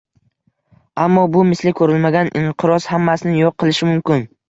Ammo bu misli ko'rilmagan inqiroz hammasini yo'q qilishi mumkin